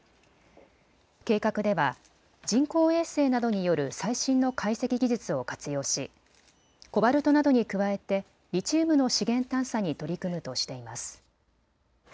計画では人工衛星などによる最新の解析技術を活用しコバルトなどに加えてリチウムの資源探査に取り組むとしています。